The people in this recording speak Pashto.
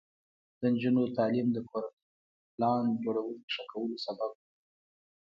د نجونو تعلیم د کورنۍ پلان جوړونې ښه کولو سبب دی.